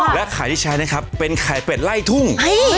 และไข่ที่ใช้นะครับเป็นไข่เป็ดไล่ทุ่ง